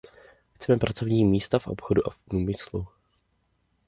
Chceme pracovní místa v obchodu a v průmyslu.